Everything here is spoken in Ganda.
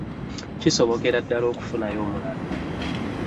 Kisobokera ddala okufunayo omulala.